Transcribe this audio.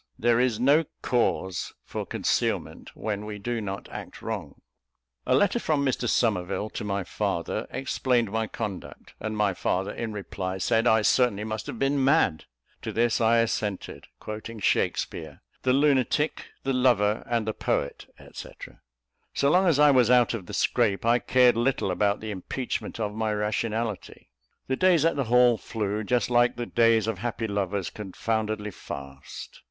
There is no cause for concealment when we do not act wrong. A letter from Mr Somerville to my father explained my conduct; and my father, in reply, said I certainly must have been mad. To this I assented, quoting Shakspeare "the lunatic, the lover, and the poet, &c.!" So long as I was out of the scrape, I cared little about the impeachment of my rationality. The days at the Hall flew, just like all the days of happy lovers, confoundedly fast.